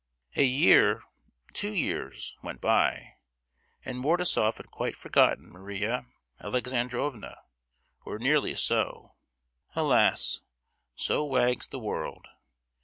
A year—two years went by, and Mordasof had quite forgotten Maria Alexandrovna, or nearly so! Alas! so wags the world!